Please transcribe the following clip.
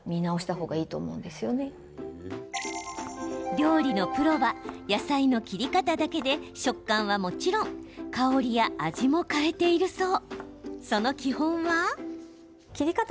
料理のプロは野菜の切り方だけで食感はもちろん香りや味も変えているそう。